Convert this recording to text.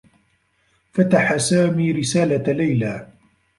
فتح سامي رسالة ليلى.